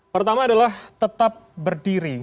pertama adalah tetap berdiri